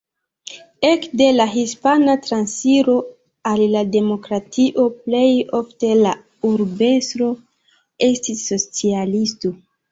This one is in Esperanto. Ekde la Hispana Transiro al la demokratio plej ofte la urbestro estis socialisto.